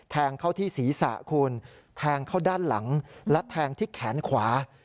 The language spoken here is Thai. แทงเข้าที่ศีรษะคุณแทงเข้าด้านหลังและแทงที่แขนขวา